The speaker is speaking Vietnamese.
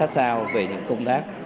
và sát sao về những công tác